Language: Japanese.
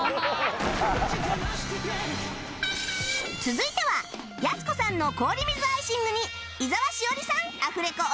続いてはやす子さんの氷水アイシングに井澤詩織さんアフレコお願いします